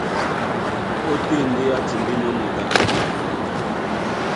Ótên ndé á timbínɔ́ moto a bilá.